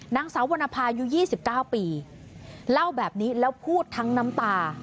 นางสาวบรรณภายุยี่สิบเก้าปีเล่าแบบนี้แล้วพูดทั้งน้ำตา